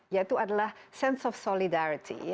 yaitu adalah sense of solidarity